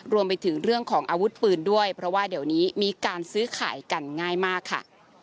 รวมไปถึงเรื่องของอาวุธปืนด้วยเพราะว่าเดี๋ยวนี้มีการซื้อขายกันง่ายมากค่ะ